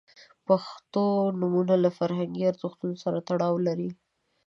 • پښتو نومونه له فرهنګي ارزښتونو سره تړاو لري.